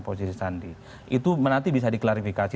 posisi sandi itu nanti bisa diklarifikasi